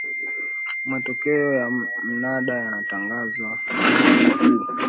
matokeo ya mnada yanatangazwa na benki kuu